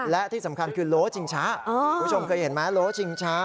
และที่สำคัญคือโล่จิงชะคุณผู้ชมเคยเห็นมั้ยโล่จิงชะ